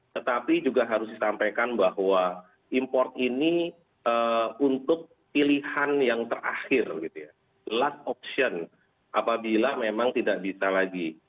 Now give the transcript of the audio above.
tetapi juga harus disampaikan bahwa import ini untuk pilihan yang terakhir last option apabila memang tidak bisa lagi